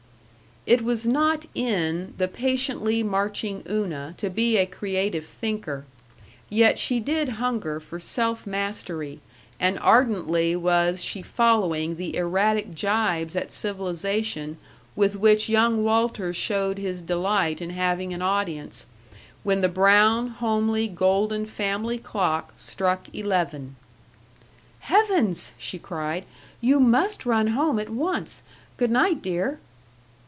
It was not in the patiently marching Una to be a creative thinker, yet she did hunger for self mastery, and ardently was she following the erratic gibes at civilization with which young Walter showed his delight in having an audience, when the brown, homely Golden family clock struck eleven. "Heavens!" she cried. "You must run home at once. Good night, dear."